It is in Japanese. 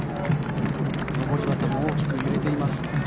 のぼり旗も大きく揺れています。